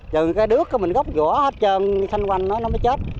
giờ cây nước mình gốc vỏ hết trơn xanh quanh nó mới chết